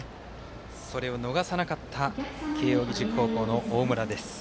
それを逃さなかった慶応義塾高校の大村です。